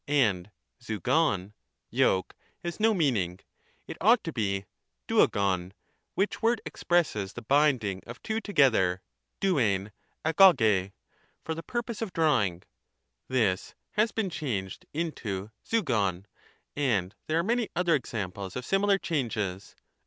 And fyyov (yoke) has no meaning, — it ought to be dvoyhv, which word expresses the binding of two together {6vEiv dywy^) for the piupose of drawing; — this has been changed into fyyov., and there are many other examples of similar changes.